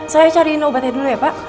saya cari nino obatnya dulu ya pak